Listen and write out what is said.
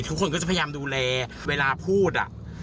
ทุกคนก็จะพยายามดูแลเวลาพูดอ่ะ